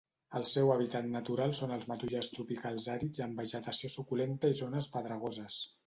El seu hàbitat natural són els matollars tropicals àrids amb vegetació suculenta i zones pedregoses.